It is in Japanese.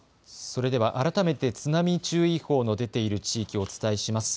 それでは改めて津波注意報の出ている地域お伝えします。